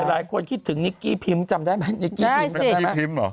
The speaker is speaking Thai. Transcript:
หลายคนคิดถึงนิกกี้พิมพ์จำได้ไหม